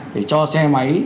để cho xe máy